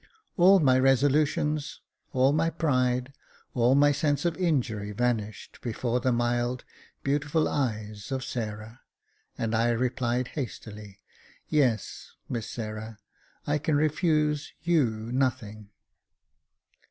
All my resolutions, all my pride, all my sense of injury vanished before the mild, beautiful eyes of Sarah, and I replied hastily, " Yes, Miss Sarah, I can refuse you nothing."